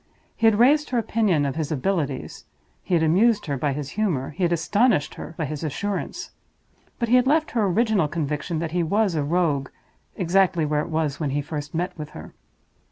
He had raised her opinion of his abilities; he had amused her by his humor; he had astonished her by his assurance; but he had left her original conviction that he was a Rogue exactly where it was when he first met with her.